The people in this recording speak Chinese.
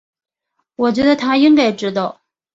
我觉得他应该知道